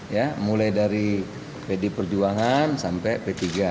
ya mulai dari pd perjuangan sampai p tiga